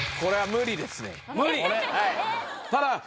無理？